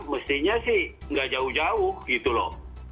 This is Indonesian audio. mestinya sih nggak jauh jauh gitu loh